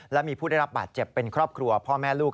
และมีผู้ได้รับบาดเจ็บเป็นครอบครัวพ่อแม่ลูก